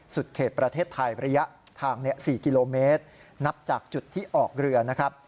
เขตประเทศไทยระยะทาง๔กิโลเมตรนับจากจุดที่ออกเรือนะครับ